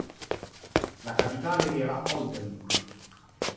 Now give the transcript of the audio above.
La capitale era Oldenburg.